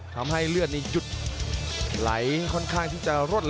ทำให้เลือดนี้หลายค่อนข้างที่จะรวดเร็ว